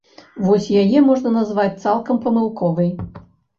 Вось яе можна назваць цалкам памылковай.